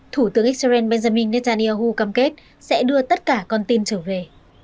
thủ tướng israel benjamin netanyahu cam kết sẽ đưa tất cả con tin trở về